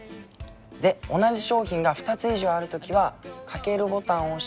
で同じ商品が２つ以上ある時はかけるボタンを押して。